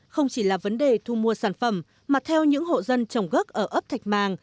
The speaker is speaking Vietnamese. không chỉ là vấn đề thu mua sản phẩm mà theo những hộ dân trồng gốc ở ấp thạch màng